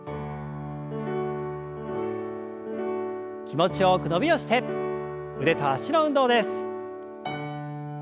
気持ちよく伸びをして腕と脚の運動です。